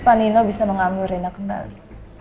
pak nino bisa mengambil reno kembali